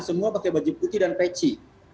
semua pakai baju putih dan peci